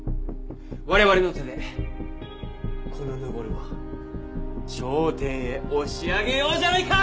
我々の手でこのヌボルを頂点へ押し上げようじゃないか！